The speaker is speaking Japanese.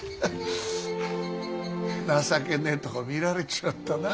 情けねえとこ見られちまったな。